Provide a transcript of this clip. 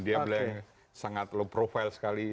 dia sangat low profile sekali